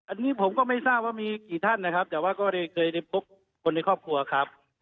อันนี้ผมก็ไม่ทราบว่ามีกี่ท่านนะครับแต่ว่าก็ได้เคยได้พบคนในครอบครัวครับ